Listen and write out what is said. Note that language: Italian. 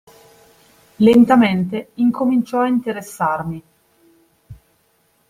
Lentamente incominciò a interessarmi.